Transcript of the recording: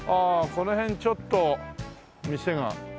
この辺ちょっと店があら。